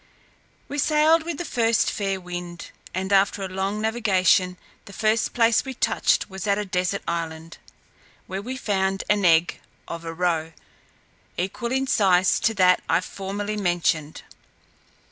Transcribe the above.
We sailed with the first fair wind, and after a long navigation the first place we touched at was a desert island, where we found an egg of a roe, equal in size to that I formerly mentioned.